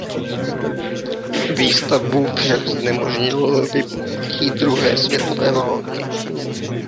Výstavbu však znemožnilo vypuknutí druhé světové války.